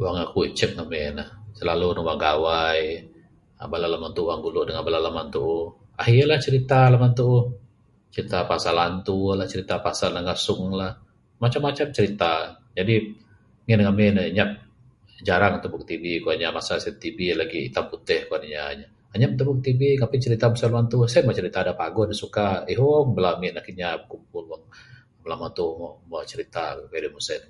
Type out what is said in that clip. Wang aku icek ngamin ne, silalu ne wang gawai, aba lalu rimuntuh ngulu dengan bala namba tuuh, ahi lah crita bala namba tuuh, crita pasal hantu lah crita pasal nanga kasung lah, macam macam crita, jadi ngin ne ngamin ne nyap, jarang tebek tb kuan inya masa sien tb lagi itam putih kuan inya, anyap tebek tb, kaping crita pasal hantu, sien manceh crita da paguh, da suka ihong ami bala anak inya tebek, bala namba tuuh wang ne crita kayuh meng sien